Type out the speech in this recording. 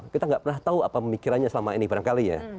kita nggak pernah tahu apa pemikirannya selama ini barangkali ya